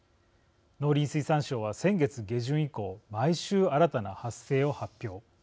農林水産省は、先月下旬以降毎週、新たな発生を発表。